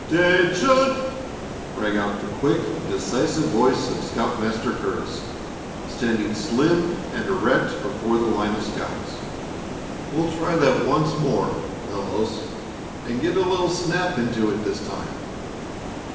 "'Tention!" rang out the quick, decisive voice of Scoutmaster Curtis, standing slim and erect before the line of scouts. "We'll try that once more, fellows, and get a little snap into it this time.